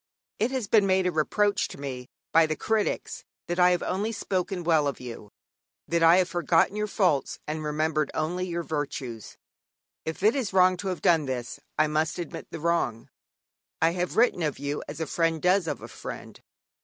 It has been made a reproach to me by the critics that I have only spoken well of you, that I have forgotten your faults and remembered only your virtues. If it is wrong to have done this, I must admit the wrong. I have written of you as a friend does of a friend.